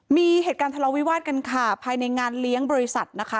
มีเหตุการณ์ทะเลาวิวาสกันค่ะภายในงานเลี้ยงบริษัทนะคะ